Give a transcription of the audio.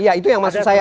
iya itu yang maksud saya